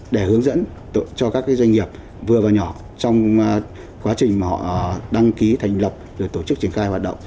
để hướng dẫn cho các doanh nghiệp vừa và nhỏ trong quá trình mà họ đăng ký thành lập rồi tổ chức triển khai hoạt động